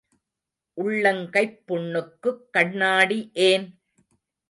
உள்ளங் கைப் புண்ணுக்குக் கண்ணாடி ஏன்?